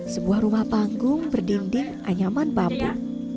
sebuah rumah panggung berdinding anyaman bambu